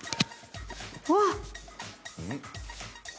うわっ！